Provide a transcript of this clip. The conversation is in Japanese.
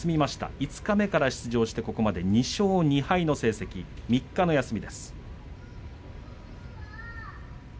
五日目から出場してここまで２勝２敗の成績３日の休み。